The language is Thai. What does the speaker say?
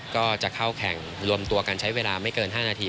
ก็จะเข้าแข่งรวมตัวกันใช้เวลาไม่เกิน๕นาที